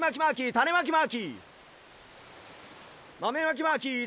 たねまきマーキー！